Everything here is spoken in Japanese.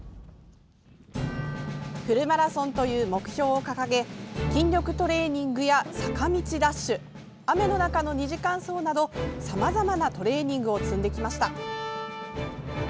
フルマラソンという目標を掲げ筋力トレーニングや坂道ダッシュ雨の中の２時間走などさまざまなトレーニングを積んできました。